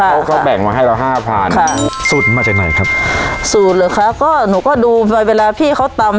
เขาก็แบ่งมาให้เราห้าพันค่ะสูตรมาจากไหนครับสูตรเหรอคะก็หนูก็ดูไปเวลาพี่เขาตำ